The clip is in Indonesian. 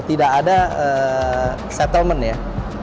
tidak ada settlement